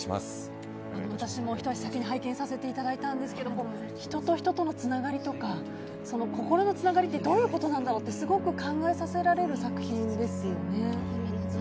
私もひと足先に拝見させていただいたんですが人と人とのつながりとか心のつながりってどういうことなんだろうってすごく考えさせられる作品ですよね。